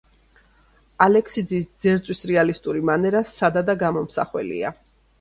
ალექსიძის ძერწვის რეალისტური მანერა სადა და გამომსახველია.